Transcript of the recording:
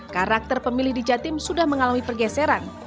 karakter pemilih di jatim sudah mengalami pergeseran